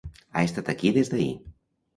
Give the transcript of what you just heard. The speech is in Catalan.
Ha estat aquí des d'ahir.